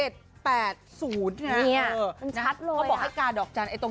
ที่บอกให้กาดอกจันไลน์๗